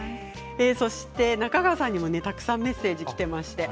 中川さんにもたくさんメッセージがきています。